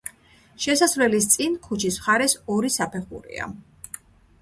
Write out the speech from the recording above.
შესასვლელის წინ, ქუჩის მხარეს, ორი საფეხურია.